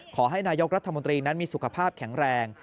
ขอให้นายกรัฐมนตรีนั้นมีสุขภาพแข็งแรง